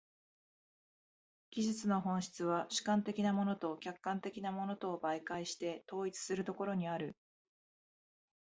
技術の本質は主観的なものと客観的なものとを媒介して統一するところにある。